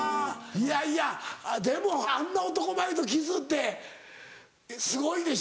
いやいやでもあんな男前とキスってすごいでしょ？